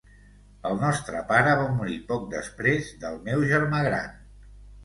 El nostre pare va morir poc després del meu germà gran.